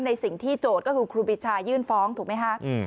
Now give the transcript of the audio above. ในสิ่งที่โจทย์ก็คือครูปีชายื่นฟ้องถูกไหมคะ